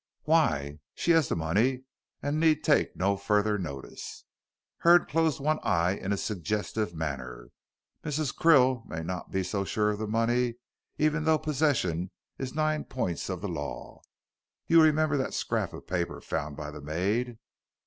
"Why? She has the money and need take no further notice." Hurd closed one eye in a suggestive manner. "Mrs. Krill may not be so sure of the money, even though possession is nine points of the law. You remember that scrap of paper found by the maid?"